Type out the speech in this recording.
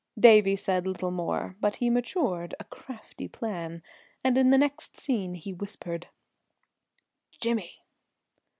Davie said little more, but he matured a crafty plan, and in the next scene he whispered: "Jimmy!"